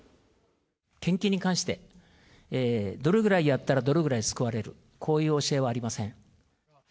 献金に関して、どれぐらいやったらどれぐらい救われる、こういう教えはありません。